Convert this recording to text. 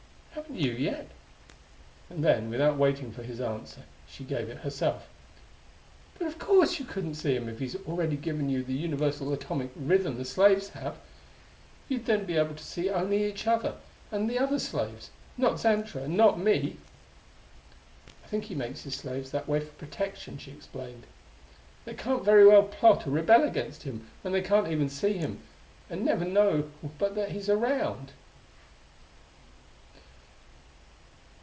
Haven't you yet?" And then, without waiting for his answer, she gave it herself. "But of course you couldn't see him if he's already given you the universal atomic rhythm the slaves have. You'd then be able to see only each other, and the other slaves; not Xantra and not me. "I think he makes his slaves that way for protection," she explained. "They can't very well plot or rebel against him when they can't even see him, and never know but what he's around."